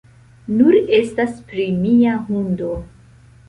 Nur estas pri mia hundo.